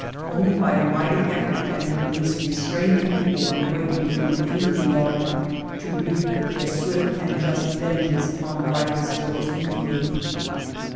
Only by a mighty effort can the police restrain the people from breaking through into the yard, to wreak their swift and just vengeance upon Dreyfus for his infamy.